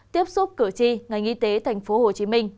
tiếp xúc cử tri ngành y tế tp hcm